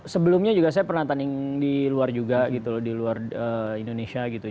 sebelumnya juga saya pernah tanding di luar juga gitu loh di luar indonesia gitu